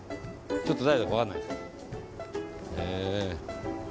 ちょっと誰だかわからないですよ。